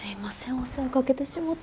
お世話かけてしもて。